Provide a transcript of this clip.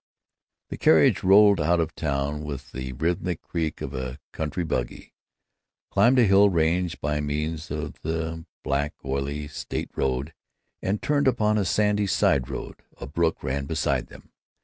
The carriage rolled out of town with the rhythmic creak of a country buggy, climbed a hill range by means of the black, oily state road, and turned upon a sandy side road. A brook ran beside them.